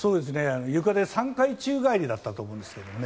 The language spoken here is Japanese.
ゆかで３回宙返りだったと思うんですけどね。